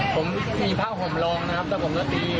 ผมตีผ้าห่มรองนะครับแต่ผมก็ตี